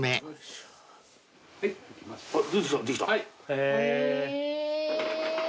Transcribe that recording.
へえ。